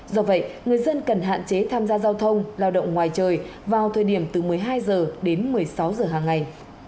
do vậy người dân cần hạn chế tham gia giao thông lao động ngoài trời vào thời điểm từ một mươi hai h đến một mươi sáu h hàng ngày